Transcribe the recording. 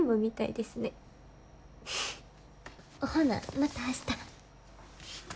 ほなまた明日。